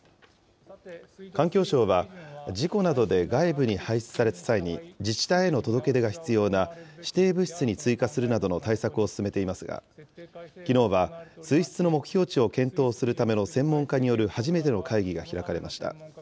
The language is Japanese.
環境省は、事故などで外部に排出された際に自治体への届け出が必要な指定物質に追加するなどの対策を進めていますが、きのうは水質の目標値を検討するための専門家による初めての会議が開かれました。